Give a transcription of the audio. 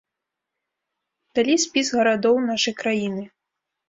Далі спіс гарадоў нашай краіны.